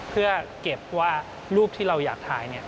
เพื่อเก็บว่ารูปที่เราอยากถ่ายเนี่ย